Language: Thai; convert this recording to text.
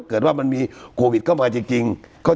เกิดว่ามันมีโควิดเข้ามาจริง